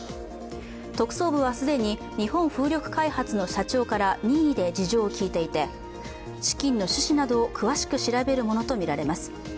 特捜部は既に、日本風力開発の社長から任意で事情を聴いてて資金の趣旨などを詳しく調べるものとみられます。